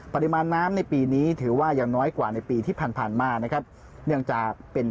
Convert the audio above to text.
ปริมาณน้ำในปีนี้ถือว่ายังน้อยกว่าในปีที่ผ่านมา